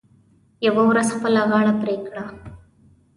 یوه ورځ خپله غاړه پرې کړه .